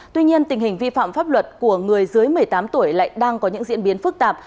tuy nhiên tình hình vi phạm pháp luật của người dưới một mươi tám tuổi lại đang có những diễn biến phức tạp